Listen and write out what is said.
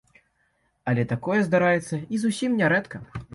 Але такое здараецца і зусім не рэдка.